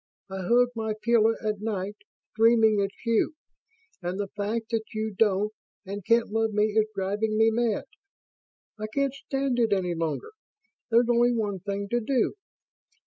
I hug my pillow at night, dreaming it's you, and the fact that you don't and can't love me is driving me mad. I can't stand it any longer. There's only one thing to do.